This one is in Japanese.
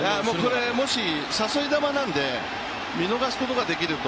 これ、誘い球なので見逃すことができると